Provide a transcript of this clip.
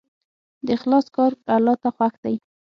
د اخلاص کار الله ته خوښ دی.